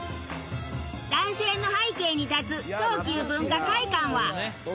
男性の背景に立つ東急文化会館は。